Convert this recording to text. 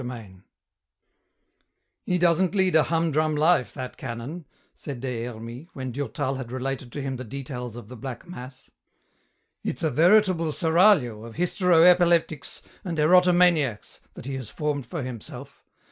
CHAPTER XX "He doesn't lead a humdrum life, that canon!" said Des Hermies, when Durtal had related to him the details of the Black Mass. "It's a veritable seraglio of hystero epileptics and erotomaniacs that he has formed for himself.